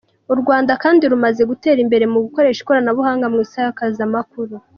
U Rwanda kandi rumaze gutera imbere mu gukoresha ikoranabuhanga mu isakazamakuru.